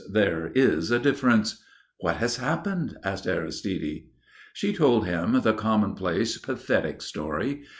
There is a difference." "What has happened?" asked Aristide. She told him the commonplace pathetic story.